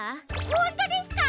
ほんとですか！？